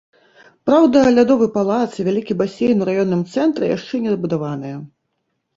Праўда, лядовы палац і вялікі басейн у раённым цэнтры яшчэ не дабудаваныя.